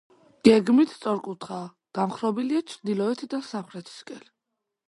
გეგმით სწორკუთხაა, დამხრობილია ჩრდილოეთიდან სამხრეთისაკენ.